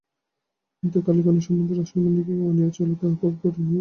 কিন্তু কালীপদর সম্বন্ধে রাসমণিকে মানিয়া চলা তাঁহার পক্ষে কঠিন হইয়া উঠিল।